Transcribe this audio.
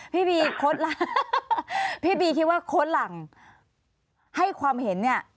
พี่บีโค้ดล่ะพี่บีคิดว่าโค้ดหลังให้ความเห็นเนี่ย